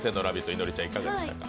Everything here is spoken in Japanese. いのりちゃんいかがでしたか。